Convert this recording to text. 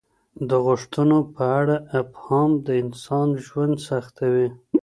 د غوښتنو په اړه ابهام د انسان ژوند سختوي.